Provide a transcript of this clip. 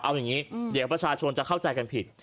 เอาอย่างนี้เดี๋ยวประชาชนจะเข้าใจกันผิด